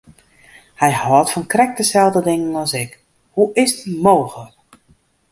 Hy hâldt fan krekt deselde dingen as ik, hoe is it mooglik!